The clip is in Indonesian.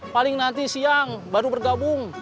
paling nanti siang baru bergabung